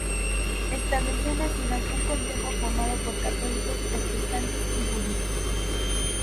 Estableció en la ciudad un consejo formado por católicos, protestantes y judíos.